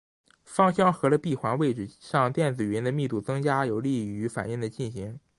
芳香核的闭环位置上电子云的密度增加有利于反应的进行。